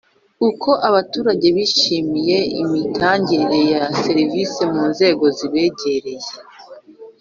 Uko Abaturage bishimiye imitangire ya serivisi mu nzego zibegereye